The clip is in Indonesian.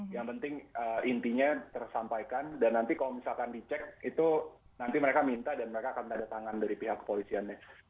yang penting intinya tersampaikan dan nanti kalau misalkan dicek itu nanti mereka minta dan mereka akan tanda tangan dari pihak kepolisiannya